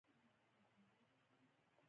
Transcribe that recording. هغوی زه له ځایه پورته کړم او زه رېږېدلم